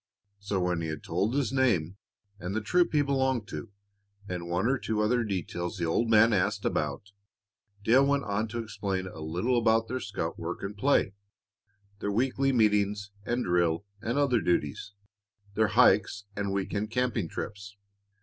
So when he had told his name, and the troop he belonged to, and one or two other details the old man asked about, Dale went on to explain a little about their scout work and play, their weekly meetings and drill and other duties, their hikes and week end camping trips.